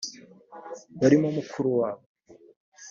barimo umukuru wabo